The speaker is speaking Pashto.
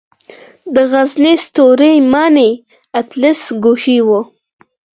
د غزني ستوري ماڼۍ اتلس ګوشې وه